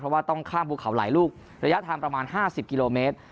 เพราะว่าต้องข้ามภูเขาหลายลูกระยะทางประมาณ๕๐กิโลเมตร